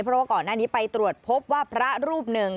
เพราะว่าก่อนหน้านี้ไปตรวจพบว่าพระรูปหนึ่ง